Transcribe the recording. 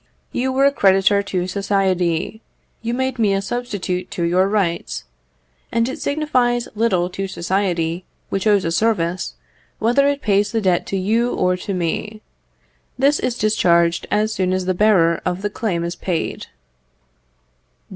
You were a creditor to society, you made me a substitute to your rights, and it signifies little to society, which owes a service, whether it pays the debt to you or to me. This is discharged as soon as the bearer of the claim is paid.